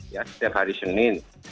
ya setiap hari senin